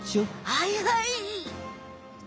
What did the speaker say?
はいはい。